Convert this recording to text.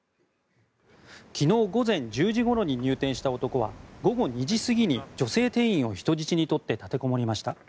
昨日午前１０時ごろに入店した男は午後２時過ぎに女性店員を人質にとって立てこもりました。